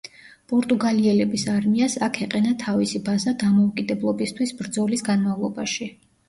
პორტუგალიელების არმიას აქ ეყენა თავისი ბაზა დამოუკიდებლობისთვის ბრძოლის განმავლობაში.